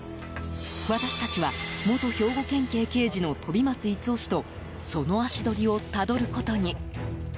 私たちは元兵庫県警刑事の飛松五男氏とその足取りをたどることに。